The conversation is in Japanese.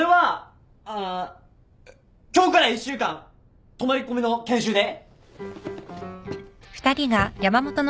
あ今日から１週間泊まり込みの研修で。